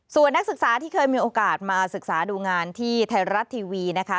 ส่วนนักศึกษาที่เคยมีโอกาสมาศึกษาดูงานที่ไทยรัฐทีวีนะคะ